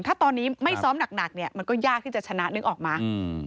ถ้าตอนนี้ไม่ซ้อมหนักเนี่ยมันก็ยากที่จะชนะนึกออกมา